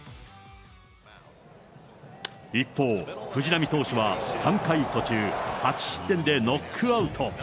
一方、藤浪投手は３回途中、８失点でノックアウト。